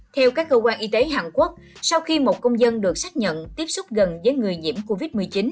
theo các cơ quan y tế hàn quốc sau khi một công dân được xác nhận tiếp xúc gần với người nhiễm covid một mươi chín